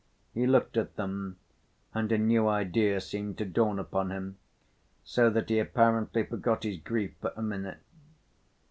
He looked at them and a new idea seemed to dawn upon him, so that he apparently forgot his grief for a minute.